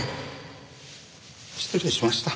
失礼しました。